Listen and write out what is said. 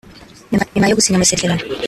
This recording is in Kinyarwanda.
nyuma yo gusinya amasezerano